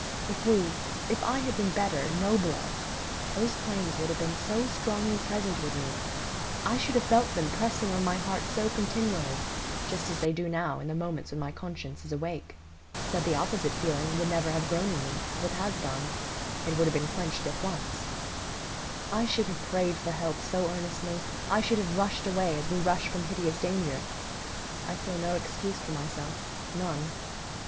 If we—if I had been better, nobler, those claims would have been so strongly present with me,—I should have felt them pressing on my heart so continually, just as they do now in the moments when my conscience is awake,—that the opposite feeling would never have grown in me, as it has done; it would have been quenched at once, I should have prayed for help so earnestly, I should have rushed away as we rush from hideous danger. I feel no excuse for myself, none.